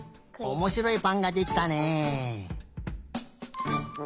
おもしろいぱんができたね。